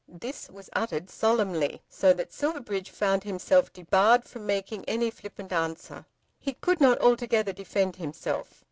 This was uttered solemnly, so that Silverbridge found himself debarred from making any flippant answer. He could not altogether defend himself.